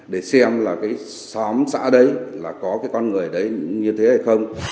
để xem là cái xóm xã đấy là có cái con người đấy như thế hay không